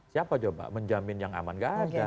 siapa coba menjamin yang aman gak ada